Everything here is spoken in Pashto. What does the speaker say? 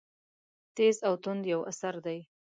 تېز او توند یو اثر دی.